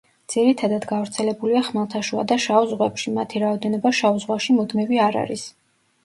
ძირითადად გავრცელებულია ხმელთაშუა და შავ ზღვებში; მათი რაოდენობა შავ ზღვაში მუდმივი არ არის.